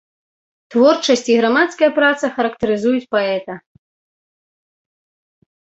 Творчасць і грамадская праца характарызуюць паэта.